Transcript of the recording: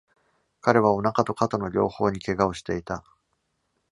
彼は、お腹と肩の両方に怪我をしていた。